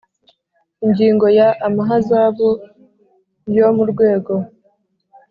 Ingingo ya amahazabu yo mu rwego